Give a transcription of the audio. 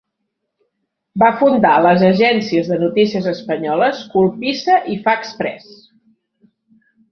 Va fundar les agències de notícies espanyoles Colpisa i Fax Press.